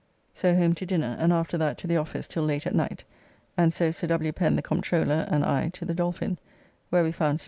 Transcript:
343] So home to dinner, and after that to the office till late at night, and so Sir W. Pen, the Comptroller, and I to the Dolphin, where we found Sir W.